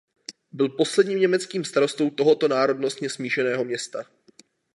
Byl posledním německým starostou tohoto národnostně smíšeného města.